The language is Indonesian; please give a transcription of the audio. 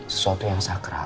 sesuatu yang sakral